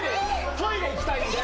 トイレ行きたいんで。